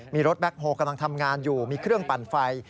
มีรถแบ็คโฮลกำลังทำงานอยู่มีเครื่องปั่นไฟ